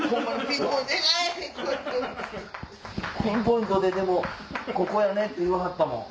ピンポイントででもここやねって言わはったもん。